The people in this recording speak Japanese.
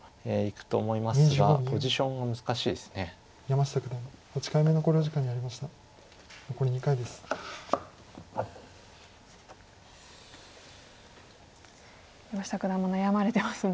山下九段も悩まれてますね。